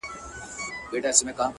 o ها د ښكلا شاپېرۍ هغه د سكون سهزادگۍ،